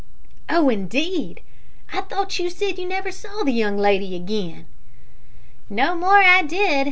"Oh, indeed! I thought you said you never saw the young lady again." "No more I did.